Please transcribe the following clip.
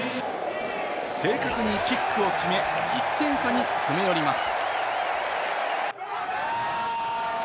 正確にキックを決め、１点差に詰め寄ります。